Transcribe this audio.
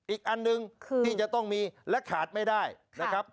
อีกอันหนึ่งที่จะต้องมีและขาดไม่ได้นะครับ